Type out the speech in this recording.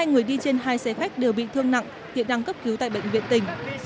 hai người đi trên hai xe khách đều bị thương nặng hiện đang cấp cứu tại bệnh viện tỉnh